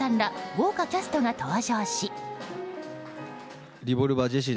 豪華キャストが登場し。